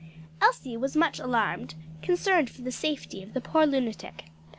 Elsie was much alarmed; concerned for the safety of the poor lunatic.